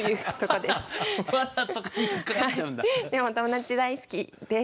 でも友達大好きです。